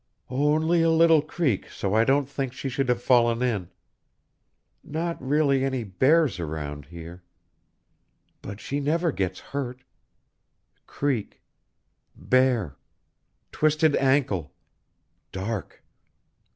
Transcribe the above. (... only a little creek so I don't think she could have fallen in ... not really any bears around here ... but she never gets hurt ... creek ... bear ... twisted ankle ... dark